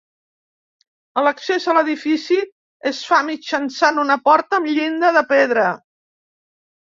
L'accés a l'edifici es fa mitjançant una porta amb llinda de pedra.